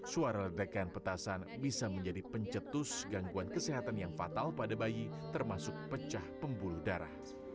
suara ledakan petasan bisa menjadi pencetus gangguan kesehatan yang fatal pada bayi termasuk pecah pembuluh darah